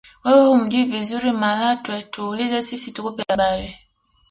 wewe humjuhi vizuri malatwe tuulize sisi tukupe habari